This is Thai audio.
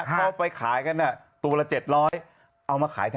เขาไปขายกันตัวละ๗๐๐เอามาขายทำไม